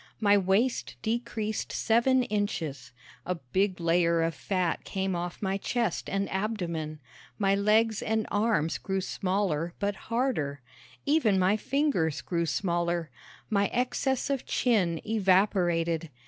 My waist decreased seven inches. A big layer of fat came off my chest and abdomen. My legs and arms grew smaller but harder. Even my fingers grew smaller. My excess of chin evaporated.